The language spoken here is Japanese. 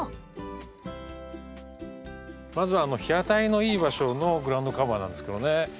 まずは日当たりのいい場所のグラウンドカバーなんですけどね。